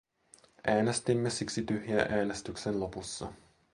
Äänestimme siksi tyhjää äänestyksen lopussa.